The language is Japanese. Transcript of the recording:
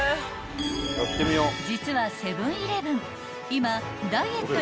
［実はセブン−イレブン今］